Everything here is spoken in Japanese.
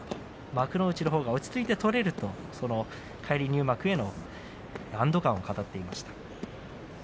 幕内のほうが落ち着いて取れると安ど感を語っていました。